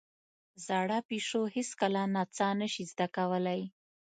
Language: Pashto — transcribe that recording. زاړه پيشو هېڅکله نڅا نه شي زده کولای.